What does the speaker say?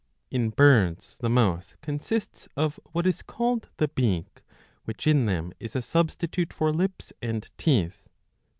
In birds the mouth consists of what is called the beak, which in them is a substitute for lips and teeth.